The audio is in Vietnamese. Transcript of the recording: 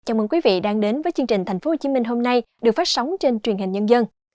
chào mừng quý vị đang đến với chương trình tp hcm hôm nay được phát sóng trên truyền hình nhân dân